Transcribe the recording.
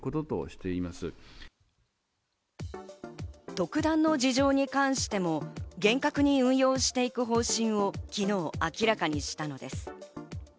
特段の事情に関しても、厳格に運用していく方針を昨日、明らかにしたのです。